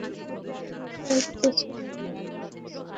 এই ভালোবাসাই তো ছিল না আমার কাছে।